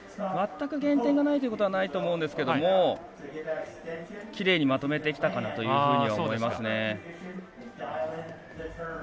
全く減点がないということはないと思うんですがきれいにまとめてきたかなと思いますね。